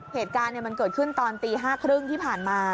เหตุการณ์มันเกิดขึ้นตอนตี๕๓๐ที่ผ่านมา